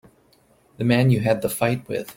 The man you had the fight with.